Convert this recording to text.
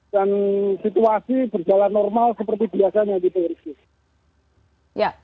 dan situasi berjalan normal seperti biasanya gitu